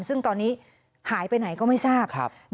ซึ่งตอนนี้หายไปไหนก็ไม่ทราบ